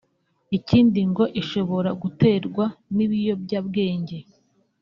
Ikindi ngo ishobora guterwa n’ibiyobyabwenge